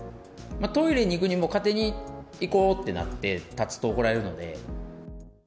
トイレに行くにも、勝手に行こうってなって立つと怒られるので。